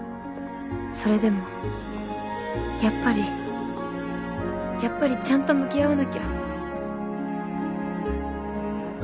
それでもやっぱりやっぱりちゃんと向き合わなきゃ